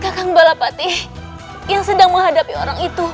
kakak balapati yang sedang menghadapi orang itu